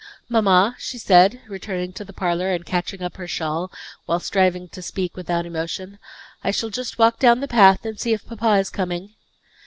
"Mamma," she said, returning to the parlor and catching up her shawl, while striving to speak without emotion. "I shall just walk down the path and see if papa is coming."